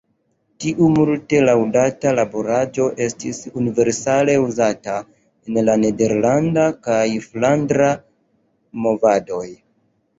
Tiu multe laŭdata laboraĵo estis universale uzata en la nederlanda kaj flandra movadoj.